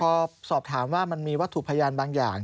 พอสอบถามว่ามันมีวัตถุพยานบางอย่าง